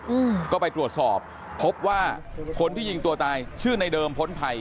อืมก็ไปตรวจสอบพบว่าคนที่ยิงตัวตายชื่อในเดิมพ้นภัย